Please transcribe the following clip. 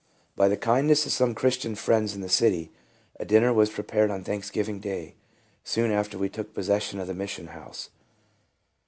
" BY the kindness of some Christian friends in the city, a dinner was prepared on Thanks giving day, soon after we took possession of the Mission house.